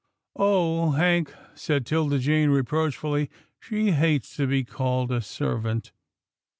"" Oh ! Hank," said 'Tilda Jane reproachfully, " she hates to be called a servant."